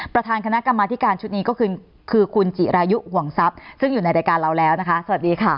ประธานคณะกรรมธิการชุดนี้ก็คือคุณจิรายุห่วงทรัพย์ซึ่งอยู่ในรายการเราแล้วนะคะสวัสดีค่ะ